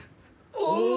お！